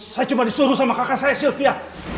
saya cuma disuruh sama kakak saya sylvia